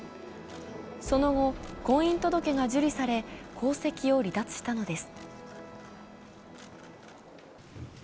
その後、婚姻届が受理され、皇籍を離脱したのです。